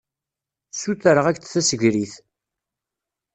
Ssutreɣ-ak-d tasegrit.